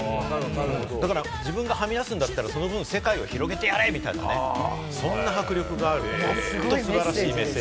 だから自分がはみ出すんだったらその分、世界を広げてやれみたいなね、そんな迫力がある、本当に素晴らしいメッセージ。